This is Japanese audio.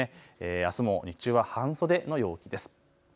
あすも日中は半袖の陽気です。